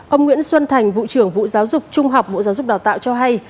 ông nguyễn xuân thành vụ trưởng vụ giáo dục trung học bộ giáo dục đào tạo cho hay